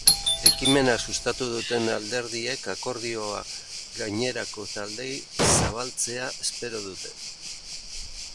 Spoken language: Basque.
Ekimena sustatu duten alderdiek akordioa gainerako taldeei zabaltzea espero dute.